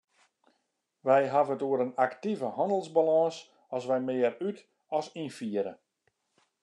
Wy hawwe it oer in aktive hannelsbalâns as wy mear út- as ynfiere.